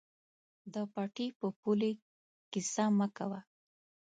د پټي او پولې قیصه مه کوه.